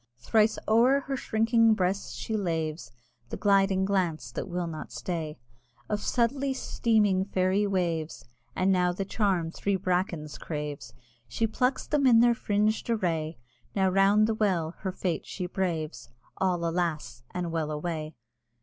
Thrice o'er her shrinking breasts she laves Of subtly streaming fairy waves: And now the charm three brackens craves, She plucks them in their fring'd array: Now round the well her fate she braves, All, alas! and well away!